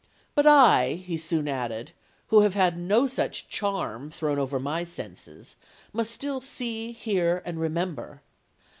'But I,' he soon added, 'who have had no such charm thrown over my senses, must still see, hear, and remember.